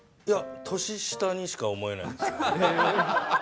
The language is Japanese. いや、年下にしか思えないです。